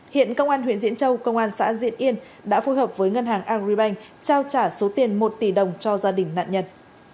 hiện công an huyện diễn châu công an xã diễn yên đã phối hợp với ngân hàng agribank trao trả số tiền một tỷ đồng cho gia đình nạn nhân